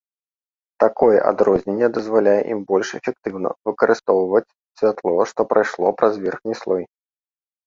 Такое адрозненне дазваляе ім больш эфектыўна выкарыстоўваць святло, што прайшло праз верхні слой.